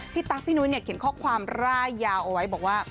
พี่ตั๊กพี่หนุ๊ยเขียนข้อความร่ายยาวเอาไว้บอกว่า